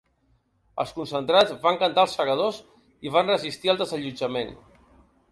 Els concentrats van cantar ‘Els segadors’ i van resistir el desallotjament.